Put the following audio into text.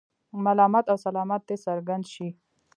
ملامت او سلامت دې څرګند شي.